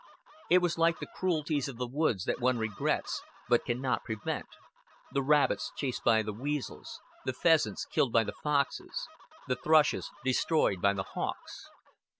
It was like the cruelties of the woods that one regrets, but can not prevent the rabbits chased by the weasels, the pheasants killed by the foxes, the thrushes destroyed by the hawks.